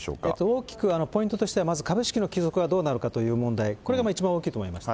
大きくポイントとしてはまず株式の帰属はどうなのかという問題、これが一番大きいと思います。